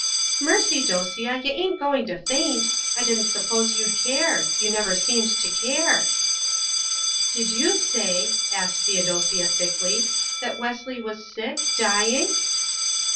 "Mercy, Dosia, you ain't going to faint! I didn't suppose you'd care. You never seemed to care." "Did you say," asked Theodosia thickly, "that Wesley was sick dying?"